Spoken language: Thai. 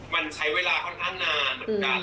มันใช้เวลาค่อนข้างนานเหมือนกัน